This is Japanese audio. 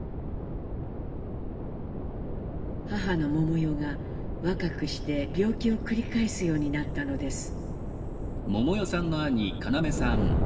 母の百代が若くして病気を繰り返すようになったのです。